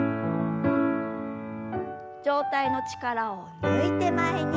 上体の力を抜いて前に。